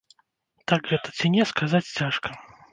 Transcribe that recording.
Так гэта ці не, сказаць цяжка.